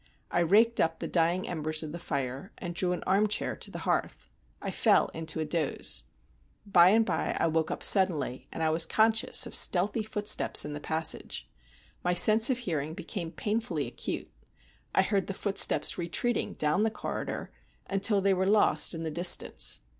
I raked up the dying embers of the fire, and drew an arm chair to the hearth. I fell into a doze. By and by I woke up suddenly, and I was conscious of stealthy footsteps in the passage. My sense of hearing became painfully acute. I heard the footsteps retreating down the corridor, until they were lost in the distance.